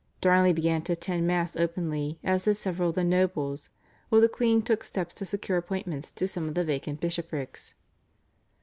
Darnley began to attend Mass openly, as did several of the nobles, while the queen took steps to secure appointments to some of the vacant bishoprics.